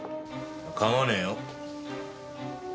構わねえよ。